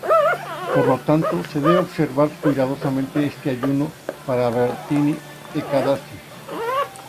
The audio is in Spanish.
Por lo tanto, se debe observar cuidadosamente este ayuno parivartini-ekadasi.